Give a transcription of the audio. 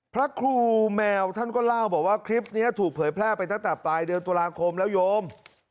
พระครูแมวท่านก็เล่าบอกว่าคลิปนี้ถูกเผยแพร่ไปตั้งแต่ปลายเดือนตุลาคมแล้วโยม